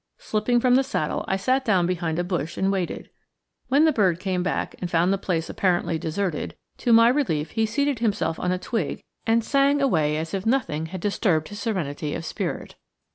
Slipping from the saddle, I sat down behind a bush and waited. When the bird came back and found the place apparently deserted, to my relief he seated himself on a twig and sang away as if nothing had disturbed his serenity of spirit.